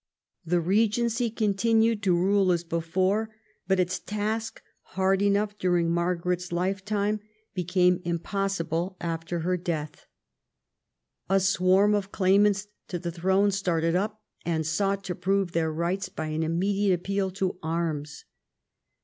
The regency continued to rule as before : but its task, hard enough during Margaret's lifetime, became 170 EDWARD I chap. impossible after her death. A swarm of claimants to the throne started up, and sought to prove their rights by an immediate appeal to arms.